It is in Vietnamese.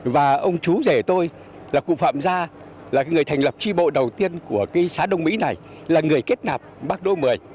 và ông chú rể tôi là cụ phạm gia là người thành lập tri bộ đầu tiên của cái xã đông mỹ này là người kết nạp bác đỗ mười